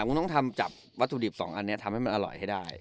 คุณต้องทำจับวัตถุดิบสองอันนี้ทำให้มันอร่อยให้ได้